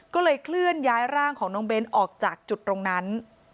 ก็เลยเคลื่อนย้ายร่างของน้องเบ้นออกจากจุดตรงนั้น